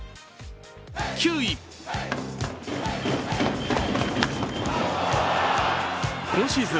９位、今シーズン